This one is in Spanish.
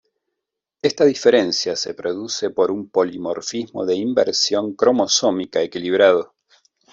Esta diferencia se produce por un polimorfismo de inversión cromosómica equilibrado.